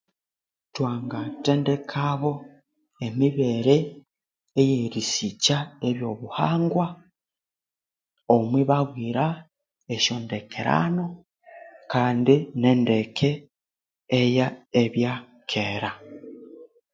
Thwanga thendekabo emibere eyerisikya ebyobuhangwa omwibabwira esyondekerano kandi nendeke eye byakera